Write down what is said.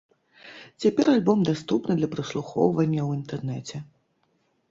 Цяпер альбом даступны для праслухоўвання ў інтэрнэце.